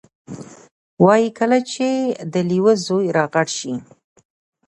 وایي کله چې د لیوه زوی را غټ شي،